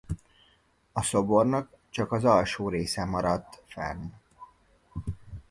A szobornak csak az alsó része maradt fenn.